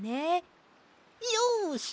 よし！